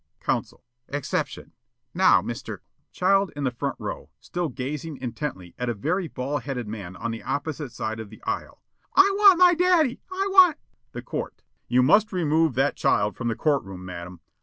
Counsel: "Exception. Now, Mr. " Child in the front row, still gazing intently at a very baldheaded man on the opposite side of the aisle: "I want my daddy! I want " The Court: "You must remove that child from the court room, madam.